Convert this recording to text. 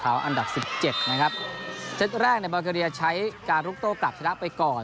เขาอันดับสิบเจ็ดนะครับเซตแรกในบาเกอเรียใช้การลุกโต้กลับชนะไปก่อน